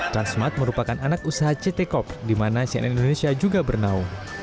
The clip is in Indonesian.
transmart merupakan anak usaha ct corp di mana cnn indonesia juga bernaung